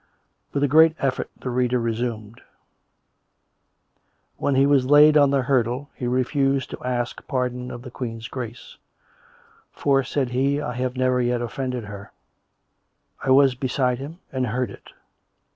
With a great effort the reader resumed: "' When he was laid on the hurdle he refused to ask pardon of the Queen's Grace; for, said he, I have never yet offended her. I was beside him, and heard it.